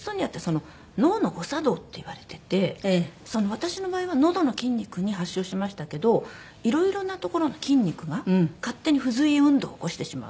私の場合はのどの筋肉に発症しましたけどいろいろな所の筋肉が勝手に不随意運動を起こしてしまう。